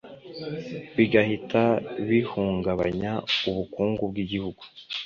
bigahita bihungabanya ubukungu bw’igihugu